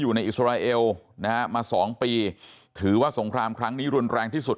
อิสราเอลนะฮะมาสองปีถือว่าสงครามครั้งนี้รุนแรงที่สุด